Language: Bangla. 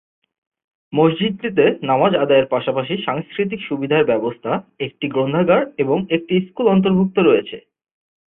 মসজিদটিতে নামাজ আদায়ের পাশাপাশি সাংস্কৃতিক সুবিধার ব্যবস্থা, একটি গ্রন্থাগার এবং একটি স্কুল অন্তর্ভুক্ত রয়েছে।